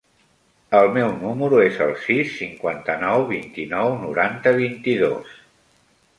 El meu número es el sis, cinquanta-nou, vint-i-nou, noranta, vint-i-dos.